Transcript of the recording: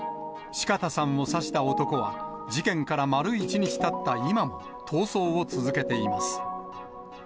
四方さんを刺した男は、事件から丸１日たった今も逃走を続けています。